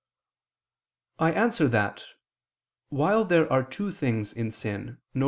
I answer that, While there are two things in sin, viz.